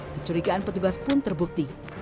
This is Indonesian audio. kecurigaan petugas pun terbukti